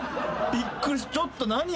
びっくりちょっと何？